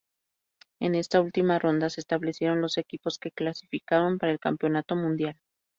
En esta última ronda se establecieron los equipos que clasificaron para el Campeonato Mundial.